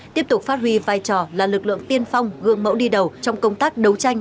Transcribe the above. tiếp tục phát huy vai trò là lực lượng tiên phong gương mẫu đi đầu trong công tác đấu tranh